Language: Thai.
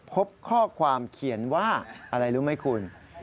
พบข้อความเขียนว่าอะไรรู้ไหมคุณ